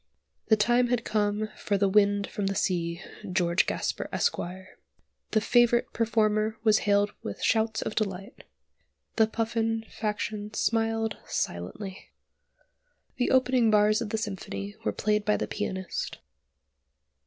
The time had come for "The Wind from the Sea" (George Gasper Esq.). The favourite performer was hailed with shouts of delight. The Puffin faction smiled silently. The opening bars of the symphony were played by the pianist.